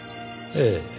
ええ。